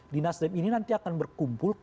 di nasdem ini nanti akan berkumpul